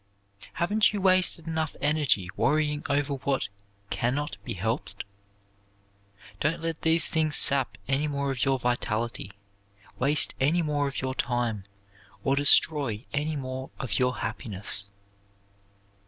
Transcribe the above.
Haven't you wasted enough energy worrying over what can not be helped? Don't let these things sap any more of your vitality, waste any more of your time or destroy any more of your happiness.